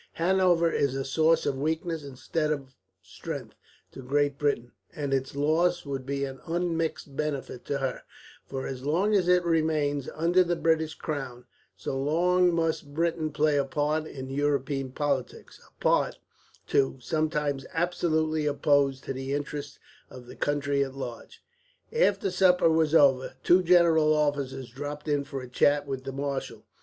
Hanover is a source of weakness instead of strength to Great Britain, and its loss would be an unmixed benefit to her; for as long as it remains under the British crown, so long must Britain play a part in European politics a part, too, sometimes absolutely opposed to the interests of the country at large." After supper was over, two general officers dropped in for a chat with the marshal.